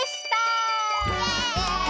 イエイ！